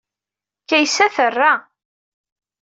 Kaysa terra.